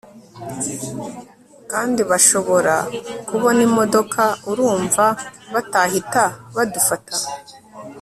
kandi bashobora kubona imodoka, urumva batahita badufata